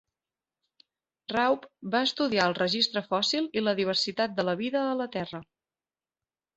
Raup va estudiar el registre fòssil i la diversitat de la vida a la Terra.